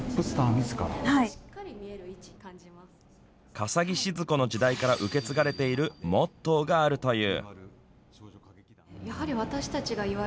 笠置シヅ子の時代から受け継がれているモットーがあるという。